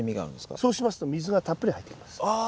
そうしますと水がたっぷり入ってきます。